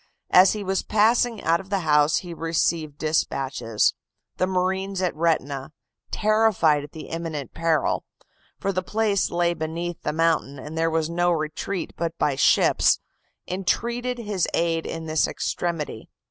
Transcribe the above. As he was passing out of the house he received dispatches: the marines at Retina, terrified at the imminent peril (for the place lay beneath the mountain, and there was no retreat but by ships), entreated his aid in this extremity.